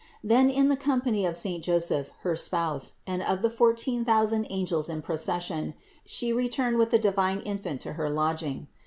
Then, in the com pany of saint Joseph, her spouse, and of the fourteen thousand angels in procession, She returned with the divine Infant to her lodging.